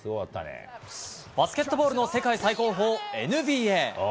バスケットボールの世界最高峰ＮＢＡ。